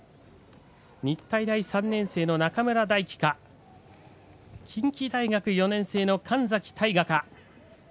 日体大３年生の中村泰輝か近畿大学４年生の神崎大河か。